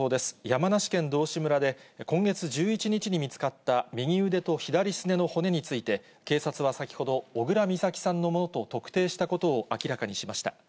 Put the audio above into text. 山梨県道志村で今月１１日に見つかった、右腕と左すねの骨について、警察は先ほど、小倉美咲さんのものと特定したことを明らかにしました。